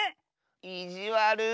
いじわる。